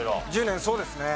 １０年そうですね。